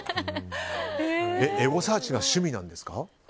エゴサーチが趣味なんですか？